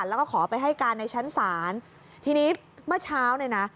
แล้วก็ขอไปให้การในชั้นศาลทีนี้เมื่อเช้าเนี่ยนะ